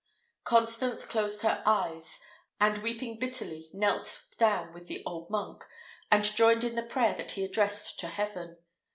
Constance closed his eyes, and weeping bitterly, knelt down with the old monk, and joined in the prayer that he addressed to heaven.